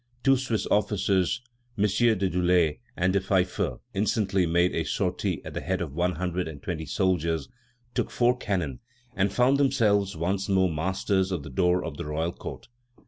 Two Swiss officers, MM. de Durler and de Pfyffer, instantly made a sortie at the head of one hundred and twenty soldiers, took four cannon, and found themselves once more masters of the door of the Royal Court.